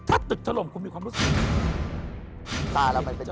ถ้าตึกถล่มคุณมีความรู้สึก